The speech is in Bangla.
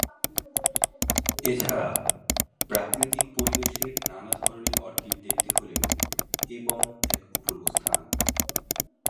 এছাড়া প্রাকৃতিক পরিবেশে নানা ধরনের অর্কিড দেখতে হলেও এ বন এক অপূর্ব স্থান।